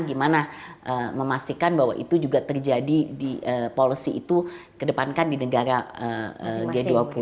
gimana memastikan bahwa itu juga terjadi di policy itu kedepankan di negara g dua puluh